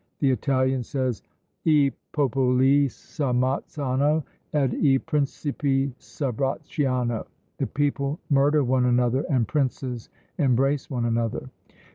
The Italian says, I popoli s'ammazzano, ed i principi s'abbracciano: "The people murder one another, and princes embrace one another."